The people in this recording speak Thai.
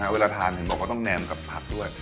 เวลาทานเห็นบอกว่าต้องแนมกับผักด้วย